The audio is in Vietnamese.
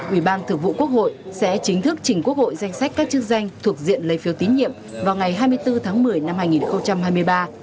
ubthq sẽ chính thức chỉnh quốc hội danh sách các chức danh thuộc diện lây phiếu tín nhiệm vào ngày hai mươi bốn tháng một mươi năm hai nghìn hai mươi ba